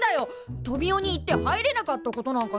トビオに行って入れなかったことなんかないもん。